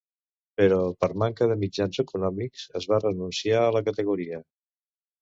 Però per manca de mitjans econòmics es va renunciar a la categoria.